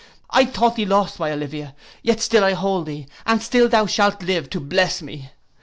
I thought thee lost, my Olivia, yet still I hold thee—and still thou shalt live to bless me.